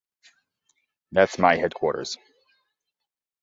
That's my headquarters.